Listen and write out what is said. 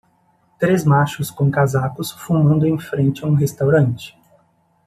Três machos com casacos fumando em frente a um restaurante.